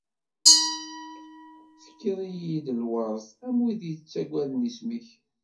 Tefkiḍ-iyi-d lweṛt am wid yettaggaden isem-ik.